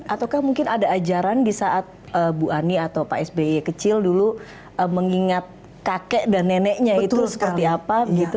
ataukah mungkin ada ajaran di saat bu ani atau pak sby kecil dulu mengingat kakek dan neneknya itu seperti apa gitu